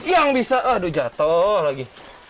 yang bisa aduh jatuh lagi